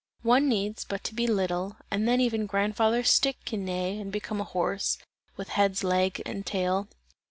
One needs but to be little, and then even grandfather's stick can neigh, and become a horse, with head, legs and tail.